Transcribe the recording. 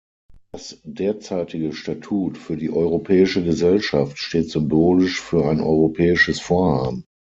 Das derzeitige Statut für die Europäische Gesellschaft steht symbolisch für ein europäisches Vorhaben.